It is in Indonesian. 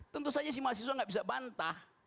tentu saja si mahasiswa nggak bisa bantah